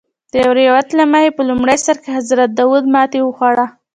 د یو روایت له مخې په لومړي سر کې حضرت داود ماتې وخوړه.